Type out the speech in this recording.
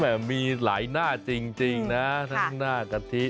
แบบมีหลายหน้าจริงนะทั้งหน้ากะทิหน้าแปลกก๊วย